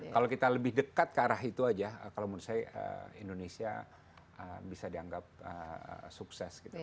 kalau kita lebih dekat ke arah itu aja kalau menurut saya indonesia bisa dianggap sukses gitu